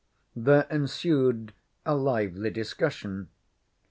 There ensued a lively discussion.